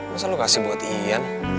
masa lo kasih buat ian